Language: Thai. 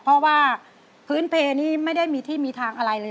เพราะว่าพื้นเพนี่ไม่ได้มีที่มีทางอะไรเลย